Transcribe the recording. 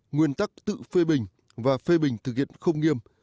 nguyên tắc tự phê bình và phê bình thực hiện không nghiêm